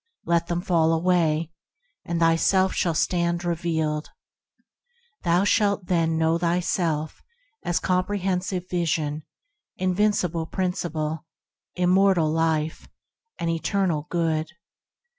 Let them fall away, and thy self shall stand revealed. Thou shalt then know thyself as Compre hensive Vision, Invincible Principle, Im mortal Life, and Eternal Good.